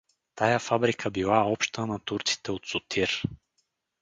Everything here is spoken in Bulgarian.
Тая фабрика била обща на турците от Сотир.